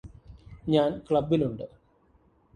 ഞാന് ക്ലബ്ബിലുണ്ട്